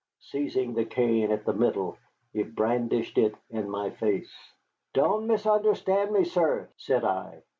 Seizing the cane at the middle, he brandished it in my face. "Don't misunderstand me, sir," said I.